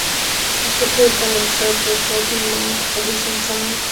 Está protagonizada por Sophie Monk, Alyson Hannigan, Adam Campbell, Eddie Griffin y Fred Willard.